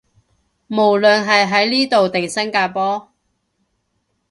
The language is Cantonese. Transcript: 無論係喺呢度定新加坡